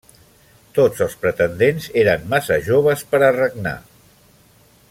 Tots els pretendents eren massa joves per a regnar.